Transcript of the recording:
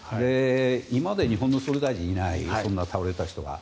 今まで日本の総理大臣にいないそんな倒れた人が。